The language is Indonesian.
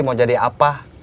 mau jadi apa